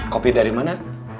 kopi dari mana